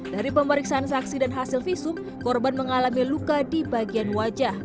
dari pemeriksaan saksi dan hasil visum korban mengalami luka di bagian wajah